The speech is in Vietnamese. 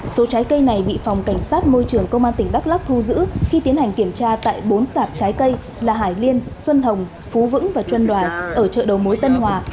số trái cây này bị phòng cảnh sát môi trường công an tỉnh đắk lắc thu giữ khi tiến hành kiểm tra tại bốn sạc trái cây là hải liên xuân hồng phú vững và chuẩn đoàn ở chợ đầu mối tân hòa